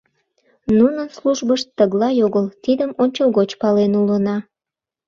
Нунын службышт тыглай огыл, тидым ончылгоч пален улына.